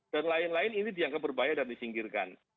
lain lain ini dianggap berbahaya dan disingkirkan